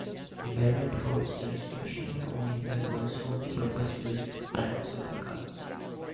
Belmont holds the distinction of owning the world's only purpose built private subway car.